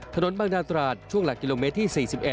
ถนนบางนาตราดช่วงหลักกิโลเมตรที่๔๑